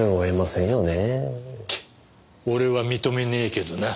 ケッ俺は認めねえけどな。